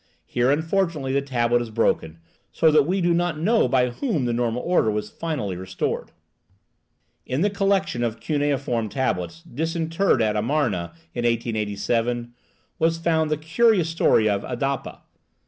Here, unfortunately, the tablet is broken, so that we do not know by whom the normal order was finally restored. In the collection of cuneiform tablets disinterred at Amarna in 1887 was found the curious story of Adapa.